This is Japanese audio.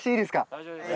大丈夫です！